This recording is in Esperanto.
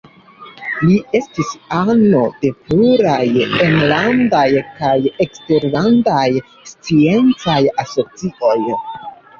Li estis ano de pluraj enlandaj kaj eksterlandaj sciencaj asocioj.